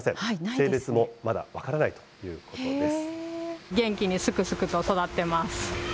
性別もまだ分からないということです。